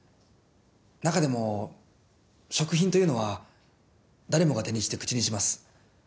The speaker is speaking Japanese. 中でも食品というのは誰もが手にして口にします。